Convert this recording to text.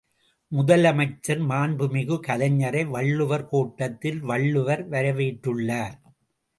முதலமைச்சர் மாண்புமிகு கலைஞரை வள்ளுவர் கோட்டத்தில் வள்ளுவர் வரவேற்றுள்ளார்.